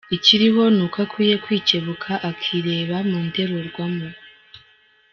Ikiriho ni uko akwiye kwicyebuka akireba mu ndorerwamo.